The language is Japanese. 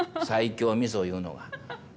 西京みそいうのが。